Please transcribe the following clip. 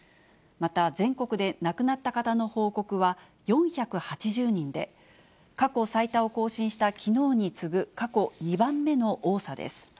また全国で亡くなった方の報告は４８０人で、過去最多を更新したきのうに次ぐ過去２番目の多さです。